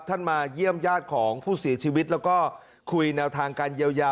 มาเยี่ยมญาติของผู้เสียชีวิตแล้วก็คุยแนวทางการเยียวยา